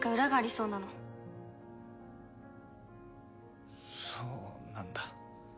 そうなんだ。